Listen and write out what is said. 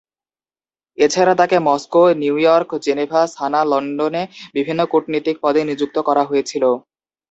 এছাড়া, তাকে Moscow, New York, Geneva, Sanaa, লন্ডনে বিভিন্ন কূটনীতিক পদে নিযুক্ত করা হয়েছিল।